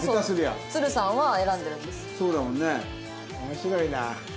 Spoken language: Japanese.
面白いな。